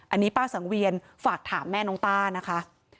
อันนี้ป้าสังเวียนฝากถามแม่น้องต้านะคะ